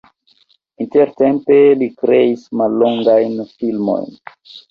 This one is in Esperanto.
Intertempe li kreis mallongajn filmojn.